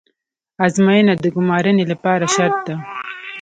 ازموینه د ګمارنې لپاره شرط ده